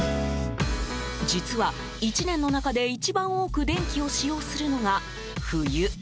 実は、１年の中で一番多く電気を使用するのが冬。